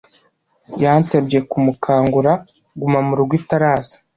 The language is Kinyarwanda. Yansabye kumukangura gumamurugo itaraza.